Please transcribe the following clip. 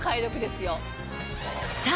さあ